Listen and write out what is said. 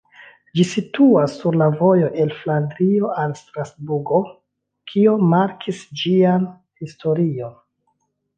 Ĝi situas sur la vojo el Flandrio al Strasburgo, kio markis ĝian historion.